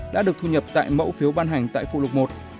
đã được thu nhập tại mẫu phiếu ban hành tại phụ lục một